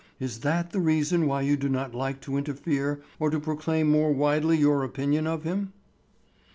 Is that the reason why you do not like to interfere or to proclaim more widely your opinion of him?"